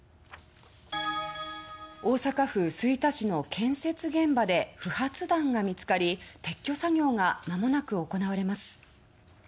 大阪府吹田市の建設現場で不発弾が見つかり撤去作業が間もなく行われます。